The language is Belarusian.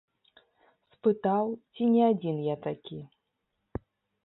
Спытаў, ці не адзін я такі.